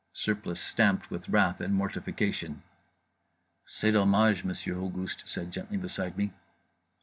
Surplice stamped with wrath and mortification. "C'est dommage," Monsieur Auguste said gently beside me.